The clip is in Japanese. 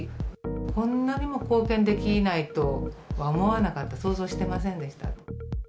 こんなにも貢献できないとは思わなかった、想像してませんでした。